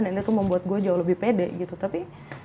dan itu membuat gue jauh lebih pede gitu tapi